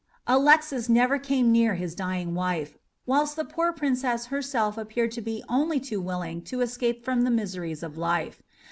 Alexis never came near his dying wife, whilst the poor Princess herself appeared to be only too willing to escape from the miseries of life.